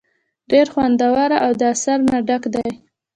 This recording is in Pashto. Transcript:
ډېر خوندور او د اثر نه ډک دے ۔